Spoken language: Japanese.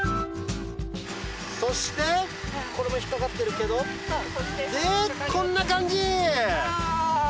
そしてこれも引っかかってるけどでこんな感じ！